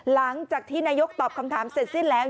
หลังจากที่นายกตอบคำถามเสร็จสิ้นแล้ว